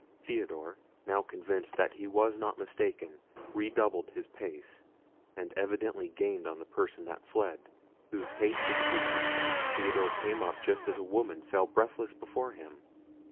Theodore, now convinced that he was not mistaken, redoubled his pace, and evidently gained on the person that fled, whose haste increasing, Theodore came up just as a woman fell breathless before him.